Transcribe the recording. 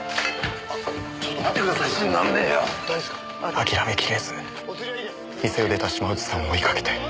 諦めきれず店を出た島内さんを追いかけて。